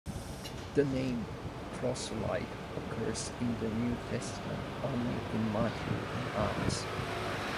The name "proselyte" occurs in the New Testament only in Matthew and Acts.